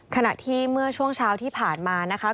ขณะที่เมื่อช่วงเช้าที่ผ่านมานะคะ